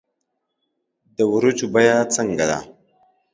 د ورجو بیه څنګه ده